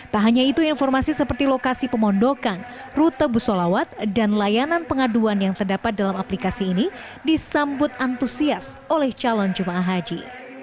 tak hanya itu informasi seperti lokasi pemondokan rute busolawat dan layanan pengaduan yang terdapat dalam aplikasi ini disambut antusias oleh calon jemaah haji